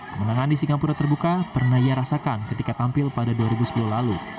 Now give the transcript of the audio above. kemenangan di singapura terbuka pernah ia rasakan ketika tampil pada dua ribu sepuluh lalu